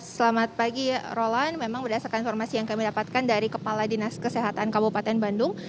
selamat pagi roland memang berdasarkan informasi yang kami dapatkan dari kepala dinas kesehatan kabupaten bandung